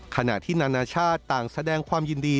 ขณะที่นานาชาติต่างแสดงความยินดี